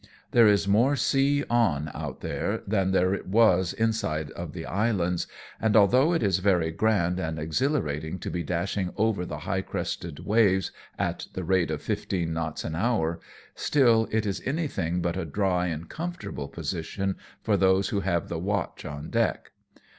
There is more sea on out here than there was inside of the islands, and, although it is very grand and exhilarating to be dashing over the high crested waves at the rate of fifteen knots an hour, still it is anything but a dry and comfortable position for those who have the watch on deck.